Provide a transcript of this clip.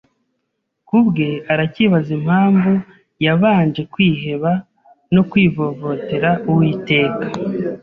Kubwe aracyibaza impamvu yabanje kwiheba no kwivovotera Uwiteka